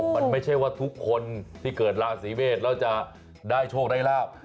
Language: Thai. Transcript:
มันไม่ใช่ว่าทุกคนที่เกิดราศีเมษแล้วจะได้โชคได้ลาบ